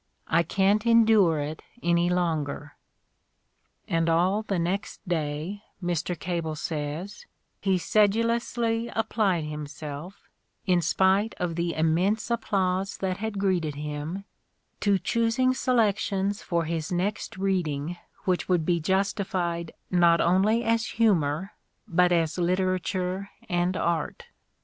I can't endure it any longer." And all the next day, Mr. Cable says, he sedulously applied himself, in spite of the immense applause that had greeted him, to choos ing selections for his next reading which would be justified not only as humor but as literature and art.